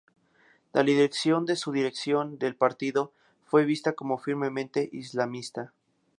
La dirección de su dirección del partido fue vista como firmemente islamista.